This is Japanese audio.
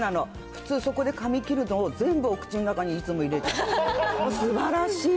普通、そこでかみ切るのを全部お口の中にいつも入れて、すばらしい。